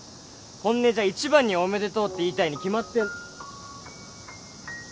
本音じゃ一番におめでとうって言いたいに決まって。